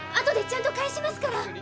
後でちゃんと返しますから。